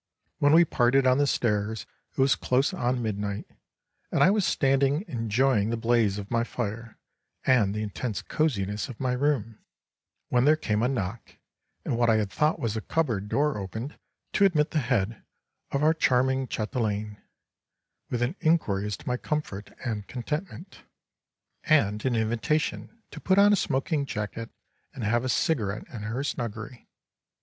When we parted on the stairs it was close on midnight, and I was standing enjoying the blaze of my fire and the intense cosiness of my room, when there came a knock, and what I had thought was a cupboard door opened to admit the head of our charming chatelaine, with an inquiry as to my comfort and contentment, and an invitation to put on a smoking jacket and have a cigarette in her snuggery.